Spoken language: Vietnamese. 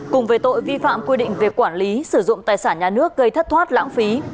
cùng với tội vi phạm quy định về quản lý sử dụng tài sản nhà nước gây thất thoát lãng phí